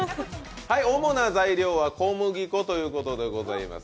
主な材料は小麦粉ということでございます。